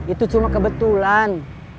itu cuma kebetulan